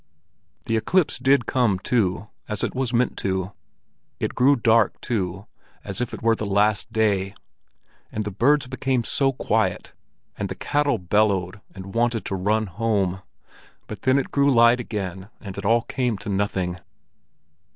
The eclipse did come too, as it was meant to; it grew dark too, as if it were the Last Day, and the birds became so quiet, and the cattle bellowed and wanted to run home. But then it grew light again and it all came to nothing.